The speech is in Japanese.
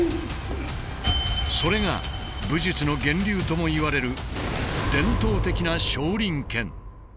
それが武術の源流ともいわれる伝統的な少林拳。